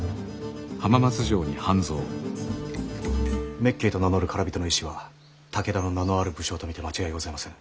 滅敬と名乗る唐人の医師は武田の名のある武将と見て間違いございませぬ。